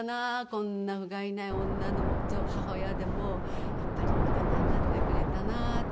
こんなふがいない母親でもやっぱり味方になってくれたなと。